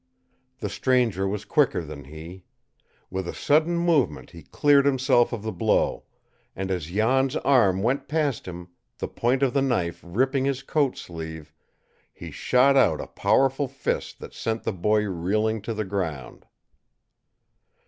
The stranger was quicker than he. With a sudden movement he cleared himself of the blow; and as Jan's arm went past him, the point of the knife ripping his coat sleeve, he shot out a powerful fist and sent the boy reeling to the ground.